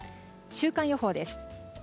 週間予報です。